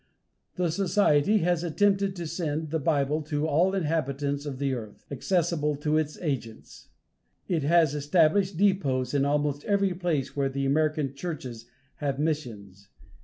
The society has attempted to send the Bible to all the inhabitants of the earth, accessible to its agents. It has established depots in almost every place where the American churches have missions.